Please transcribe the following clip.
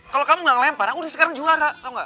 kalau kamu gak melempar aku udah sekarang juara tau gak